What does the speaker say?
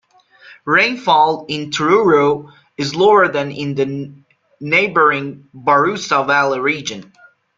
Rainfall in Truro is lower than in the neighbouring Barossa Valley region.